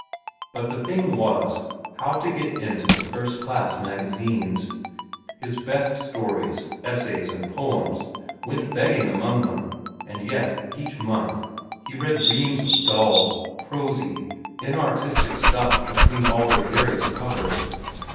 But the thing was, how to get into the first class magazines. His best stories, essays, and poems went begging among them, and yet, each month, he read reams of dull, prosy, inartistic stuff between all their various covers.